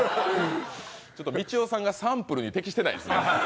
みちおさんがサンプルに適してないですね。